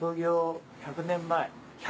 １００年前。